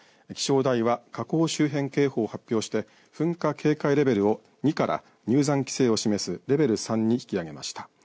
気象台は火口周辺警報を発表して噴火警戒レベルを２から入山規制を示すレベル３に引き上げました。